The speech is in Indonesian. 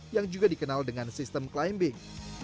yang juga dikenal dengan sistem climbing